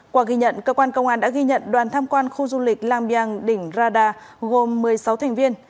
qua ghi nhận cơ quan công an đã ghi nhận đoàn tham quan khu du lịch la biang đỉnh rada gồm một mươi sáu thành viên